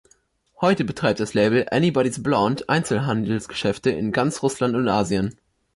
Heute betreibt das Label Anybody's Blonde Einzelhandelsgeschäfte in ganz Russland und Asien.